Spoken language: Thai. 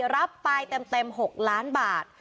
รับปลายเต็ม๖ล้านบาท